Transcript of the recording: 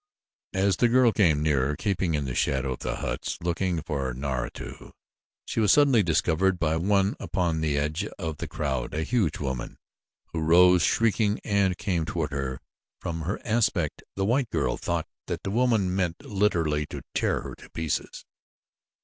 As the girl came nearer, keeping in the shadow of the huts, looking for Naratu she was suddenly discovered by one upon the edge of the crowd a huge woman, who rose, shrieking, and came toward her. From her aspect the white girl thought that the woman meant literally to tear her to pieces.